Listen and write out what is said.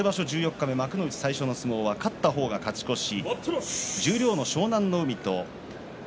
日目幕内最初の相撲は勝った方が勝ち越し。